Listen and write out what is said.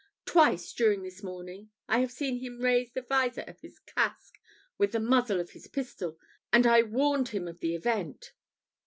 Twice during this morning I have seen him raise the visor of his casque with the muzzle of his pistol, and I warned him of the event."